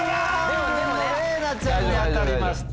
れいなちゃんに当たりました。